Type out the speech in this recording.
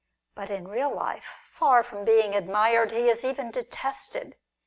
But in real life, far from being admired, he is even detested.